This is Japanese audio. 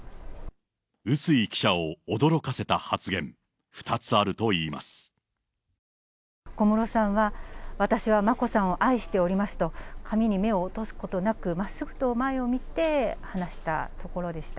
笛吹記者を驚かせた発言、小室さんは、私は眞子さんを愛しておりますと、紙に目を落とすことなく、まっすぐと前を見て話したところでした。